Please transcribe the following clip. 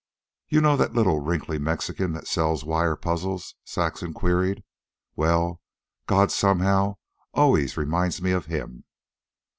"You know that little, wrinkly Mexican that sells wire puzzles?" Saxon queried. "Well, God somehow always reminds me of him."